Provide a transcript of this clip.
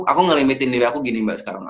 aku ngelimitin diri aku gini mbak sekarang